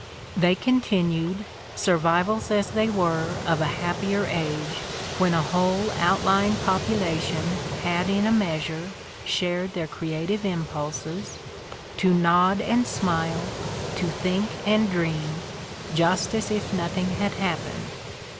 They continued, survivals as they were of a happier age when a whole outlying population had in a measure shared their creative impulses, to nod and smile, to think and dream, just as if nothing had happened.